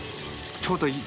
ちょうどいい。